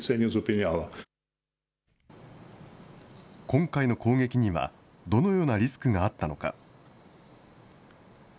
今回の攻撃には、どのようなリスクがあったのか。